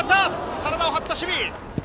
体を張った守備。